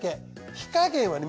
火加減はね